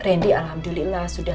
rendy alhamdulillah sudah